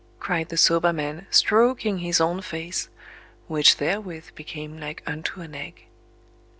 cried the soba man, stroking his own face—which therewith became like unto an Egg...